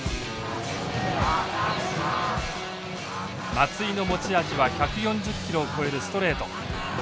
松井の持ち味は１４０キロを超えるストレート。